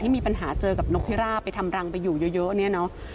ที่มีปัญหาเจอกับนกพิราพไปทำรังไปอยู่เยอะนี่